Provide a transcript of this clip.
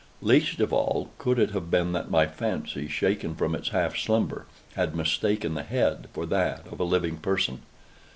Least of all, could it have been that my fancy, shaken from its half slumber, had mistaken the head for that of a living person.